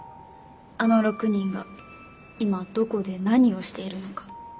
あの６人が今どこで何をしているのか。